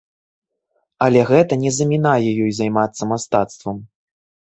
Але гэта не замінае ёй займацца мастацтвам.